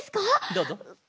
どうぞ。